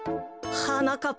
はなかっ